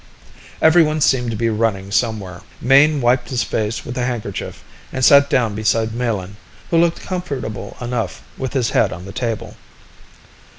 Everyone seemed to be running somewhere. Mayne wiped his face with a handkerchief and sat down beside Melin, who looked comfortable enough with his head on the table.